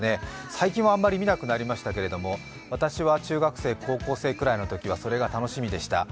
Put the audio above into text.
最近は、あんまり見なくなりましたけれども私は中学生、高校生くらいのときはそれが楽しみでした。